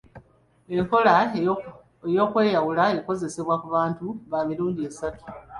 Enkola ey’okweyawula ekozesebwa ku bantu ba mirundi esatu.